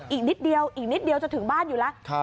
อีกนิดเดียวอีกนิดเดียวจะถึงบ้านอยู่แล้ว